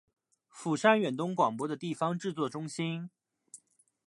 釜山远东广播的地方制作中心。